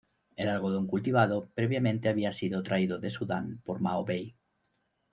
El algodón cultivado previamente había sido traído de Sudán por Maho Bey.